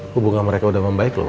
hubungan mereka sudah membaik loh